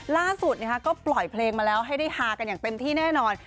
ล่าสุดก็ปล่อยเพลงมาแล้วให้ได้ฮากันอย่างเต็มที่แน่นอน